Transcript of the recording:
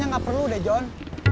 kayanya gak perlu deh jon